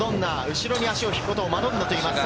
後ろに足を引くことをマドンナといいます。